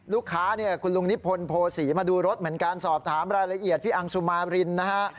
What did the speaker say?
ลูกค้าเนี่ยคุณลุงนิพนธ์โพศีมาดูรถเหมือนกันสอบถามรายละเอียดพี่อังสุมารินนะฮะ